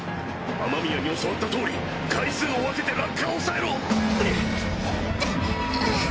雨宮に教わったとおり回数を分けて落下を抑えろ。